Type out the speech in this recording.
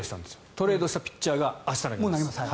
トレードしたピッチャーが明日投げます。